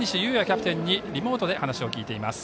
キャプテンにリモートで話を聞いています。